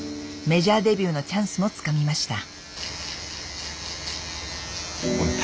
メジャーデビューのチャンスもつかみました。